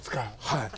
はい。